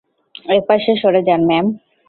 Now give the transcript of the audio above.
একপাশে সরে যান, ম্যাম।